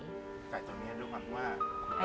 แต่ตอนนี้ด้วยความว่า